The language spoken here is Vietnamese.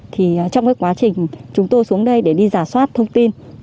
trong quá trình chúng tôi xuống đây để đi giả soát thông tin